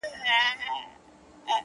زه به دا ټول كندهار تاته پرېږدم ـ